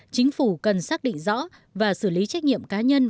chính phủ cần xác định rõ và xử lý trách nhiệm cá nhân